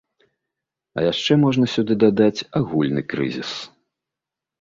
А яшчэ можна сюды дадаць агульны крызіс.